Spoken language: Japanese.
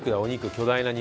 巨大な肉。